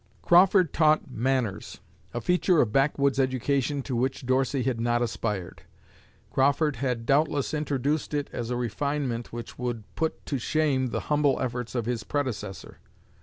Crawford taught "manners" a feature of backwoods education to which Dorsey had not aspired. Crawford had doubtless introduced it as a refinement which would put to shame the humble efforts of his predecessor.